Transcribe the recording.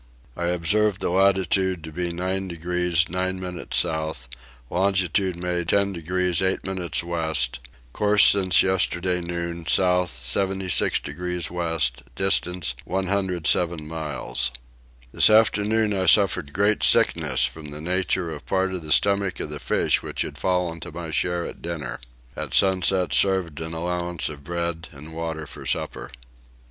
I observed the latitude to be 9 degrees 9 minutes south; longitude made 10 degrees 8 minutes west; course since yesterday noon south 76 degrees west; distance 107 miles. This afternoon I suffered great sickness from the nature of part of the stomach of the fish which had fallen to my share at dinner. At sunset served an allowance of bread and water for supper.